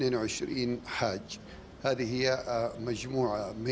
ini adalah jumlahnya dari kemudiannya